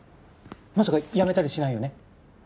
まさか辞めたりしないよね？